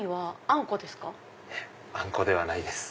あんこではないです。